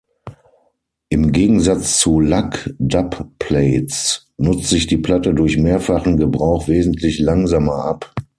Im Gegensatz zu Lack-Dubplates nutzt sich die Platte durch mehrfachen Gebrauch wesentlich langsamer ab.